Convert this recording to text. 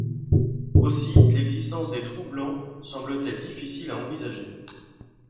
Aussi l'existence des trous blancs semble-t-elle difficile à envisager.